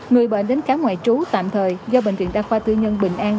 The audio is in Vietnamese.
người bệnh đến khám ngoại trú tạm thời do bệnh viện đa khoa tư nhân bình an